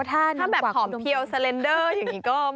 ถ้าแบบผอมเพียวสเลนเดอร์อย่างนี้ก็